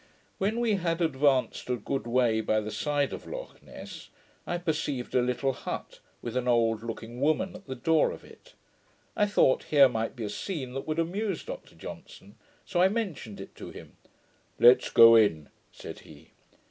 When we had advanced a good way by the side of Lochness, I perceived a little hut, with an old looking woman at the door of it. I thought here might be a scene that would amuse Dr Johnson: so I mentioned it to him. 'Let's go in,' said he.